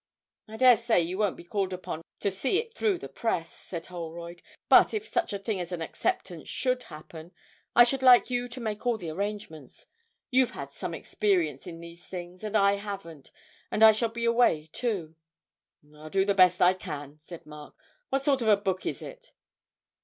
'I dare say you won't be called upon to see it through the press,' said Holroyd; 'but if such a thing as an acceptance should happen, I should like you to make all the arrangements. You've had some experience in these things, and I haven't, and I shall be away too.' 'I'll do the best I can,' said Mark. 'What sort of a book is it?'